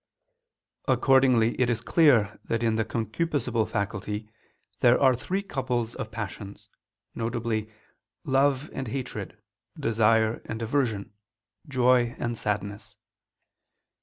_ Accordingly it is clear that in the concupiscible faculty there are three couples of passions; viz. love and hatred, desire and aversion, joy and sadness.